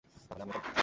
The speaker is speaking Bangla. তাহলে আমিও চলে যাব।